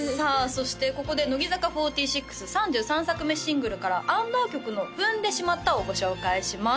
そしてここで乃木坂４６３３作目シングルからアンダー曲の「踏んでしまった」をご紹介します